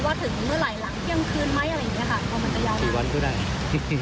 ว่าถึงเมื่อไหร่หลังเที่ยงคืนไหมอะไรอย่างนี้ค่ะ